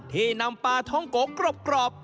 ที่นำปลาท้องโกะกรอบ